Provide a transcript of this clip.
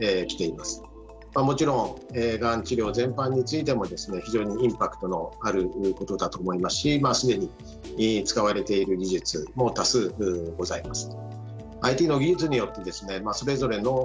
まあもちろんがん治療全般についてもですね非常にインパクトのあることだと思いますしまあ既に使われている技術も多数ございます。